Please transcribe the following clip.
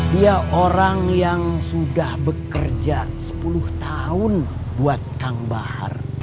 dia orang yang sudah bekerja sepuluh tahun buat kang bahar